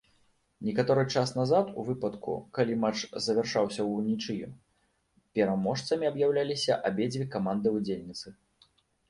Некаторы час назад у выпадку, калі матч завяршаўся ўнічыю, пераможцамі аб'яўляліся абедзве каманды-ўдзельніцы.